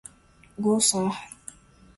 glosar